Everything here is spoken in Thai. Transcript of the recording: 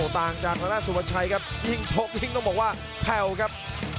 ต่างจากทางด้านสุมัชยาครับยิ่งเฉาะต่อบอกว่าเทาครับ